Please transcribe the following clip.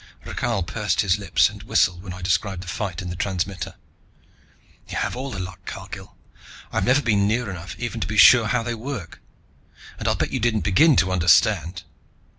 Rakhal pursed his lips and whistled when I described the fight in the transmitter. "You have all the luck, Cargill! I've never been near enough even to be sure how they work and I'll bet you didn't begin to understand!